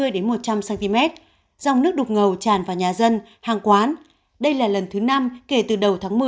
một mươi một trăm linh cm dòng nước đục ngầu tràn vào nhà dân hàng quán đây là lần thứ năm kể từ đầu tháng một mươi